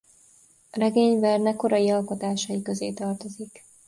A regény Verne korai alkotásai közé tartozik.